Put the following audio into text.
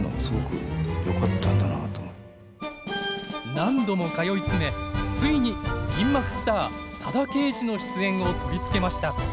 何度も通い詰めついに銀幕スター佐田啓二の出演を取り付けました。